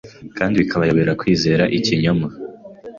Kandi bikakuyobora kwizera ikinyoma